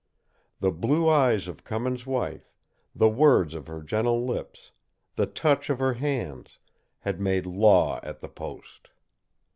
The blue eyes of Cummins' wife, the words of her gentle lips, the touch of her hands, had made law at the post.